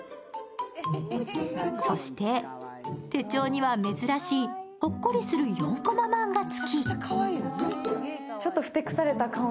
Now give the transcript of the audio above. そして、手帳には珍しいほっこりする４こま漫画付き。